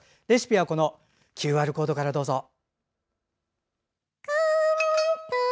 レシピはＱＲコードからどうぞ。